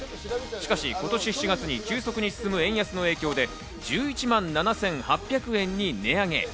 しかし今年７月に急速に進む円安の影響で１１万７８００万円に値上げ。